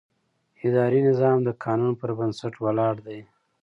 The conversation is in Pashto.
اداري نظام د قانون پر بنسټ ولاړ دی.